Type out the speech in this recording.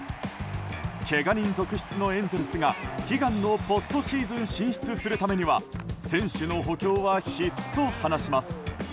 けが人続出のエンゼルスが悲願のポストシーズン進出するためには選手の補強は必須と話します。